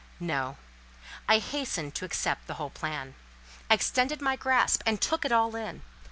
No. I hastened to accept the whole plan. I extended my grasp and took it all in.